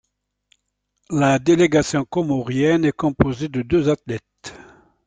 La délégation comorienne est composée de deux athlètes.